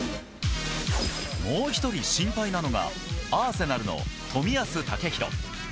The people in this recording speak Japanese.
もう１人心配なのが、アーセナルの冨安健洋。